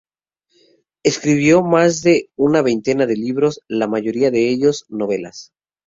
Escribió más de una veintena de libros, la mayoría de ellos novelas.